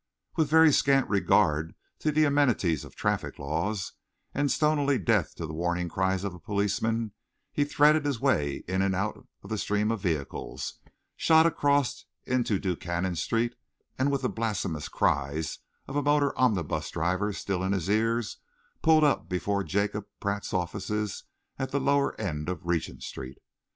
With very scant regard to the amenities of the traffic laws, and stonily deaf to the warning cries of a policeman, he threaded his way in and out of the stream of vehicles, shot across into Duncannon Street, and, with the blasphemous cries of a motor omnibus driver still in his ears, pulled up before Jacob Pratt's offices at the lower end of Regent Street.